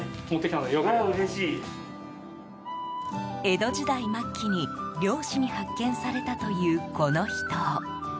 江戸時代末期に、猟師に発見されたというこの秘湯。